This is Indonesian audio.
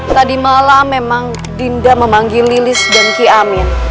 tadi malam memang dinda memanggil lilis dan ki amin